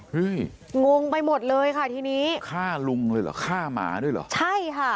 งงไปหมดเลยค่ะทีนี้ฆ่าลุงเลยเหรอฆ่าหมาด้วยเหรอใช่ค่ะ